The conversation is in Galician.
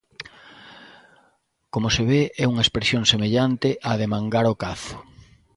Como se ve é unha expresión semellante á de mangar o cazo.